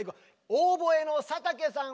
オーボエの佐竹さん